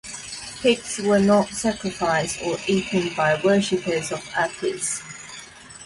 Pigs were not sacrificed or eaten by worshipers of Attis.